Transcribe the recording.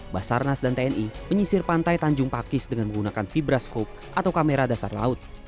basarnas dan tni menyisir pantai tanjung pakis dengan menggunakan fibroskop atau kamera dasar laut